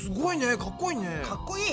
かっこいい！